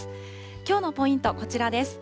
きょうのポイント、こちらです。